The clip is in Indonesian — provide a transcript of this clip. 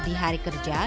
di hari kerja